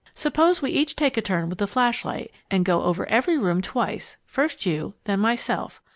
"Suppose we each take a turn with the flash light and go over every room twice, first you, then myself.